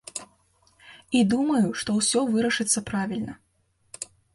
І думаю, што ўсё вырашыцца правільна.